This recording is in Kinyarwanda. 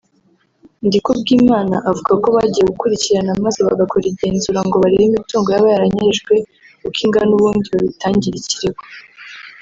Ndikubwimana avuga ko bagiye gukurikirana maze bagakora igenzura ngo barebe imitungo yaba yaranyerejwe uko ingana ubundi babitangire ikirego